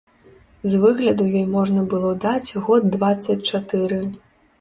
З выгляду ёй можна было даць год дваццаць чатыры.